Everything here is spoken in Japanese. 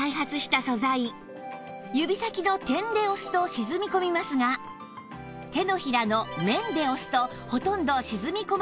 指先の「点」で押すと沈み込みますが手のひらの「面」で押すとほとんど沈み込まないんです